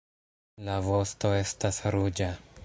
La vosto estas ruĝa.